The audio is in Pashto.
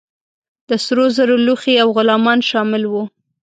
د سرو زرو لوښي او غلامان شامل وه.